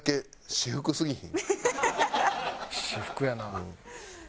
私服やなあ。